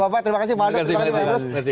bapak terima kasih pak aldo